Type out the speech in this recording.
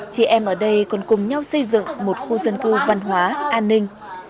chị em ở đây còn cùng nhau xây dựng một khu dân cư văn hóa an ninh